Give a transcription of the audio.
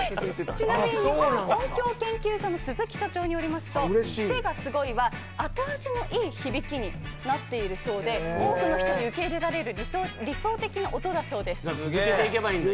ちなみに音響研究所の鈴木社長によりますとクセがスゴいは後味のいい響きになっているそうで多くの人に受け入れられる理想的な音なんだそうです。